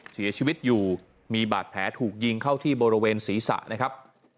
เสียชีวิตอยู่มีบาดแผลถูกยิงเข้าที่บริเวณศีรษะนะครับ